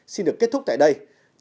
xin được kết thúc tại đây